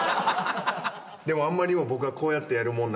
でもあんまりにも僕がこうやってやるもん